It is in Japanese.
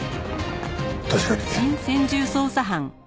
確かに。